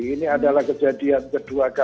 ini adalah kejadian kedua